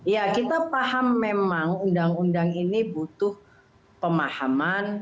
ya kita paham memang undang undang ini butuh pemahaman